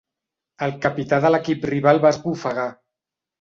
El capità de l'equip rival va esbufegar.